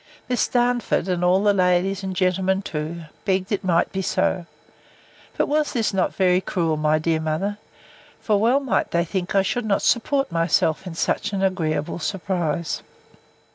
Miss Darnford, and all the ladies, and the gentlemen too, begged it might be so. But was not this very cruel, my dear mother? For well might they think I should not support myself in such an agreeable surprise.